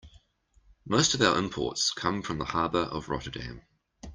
Most of our imports come from the harbor of Rotterdam.